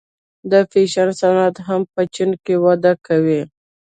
د فیشن صنعت هم په چین کې وده کوي.